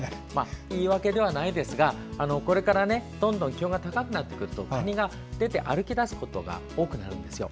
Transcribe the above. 言い訳ではないですがこれからどんどん気温が高くなってくるとカニが出て歩き出すことが多くなるんですよ。